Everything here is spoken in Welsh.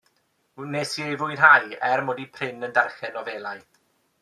Wnes i ei fwynhau, er mod i prin yn darllen nofelau.